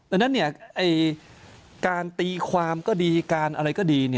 ดังนั้นการตีความก็ดีการอะไรก็ดี